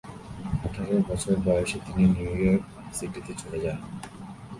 আঠারো বছর বয়সে তিনি নিউ ইয়র্ক সিটিতে চলে যান।